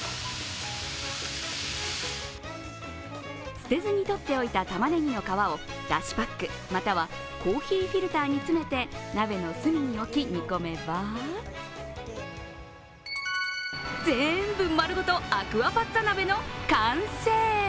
捨てずにとっておいた玉ねぎの皮を、だしパックまたはコーヒーフィルターに詰めて鍋の隅に置き煮込めば全部まるごと、アクアパッツァ鍋の完成。